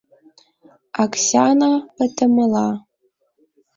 Аксяна пытымыла...